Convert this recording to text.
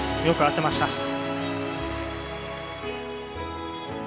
よく合ってました。